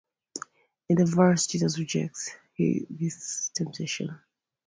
In this verse Jesus rejects this temptation.